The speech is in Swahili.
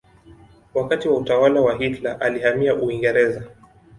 Wakati wa utawala wa Hitler alihamia Uingereza.